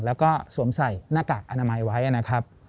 แล้วก็สวมใส่หน้ากากอนามัยไว้นะครับ